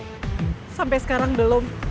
tante sudah dapat kabar dari putri